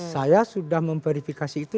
saya sudah memverifikasi itu